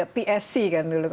psc kan dulu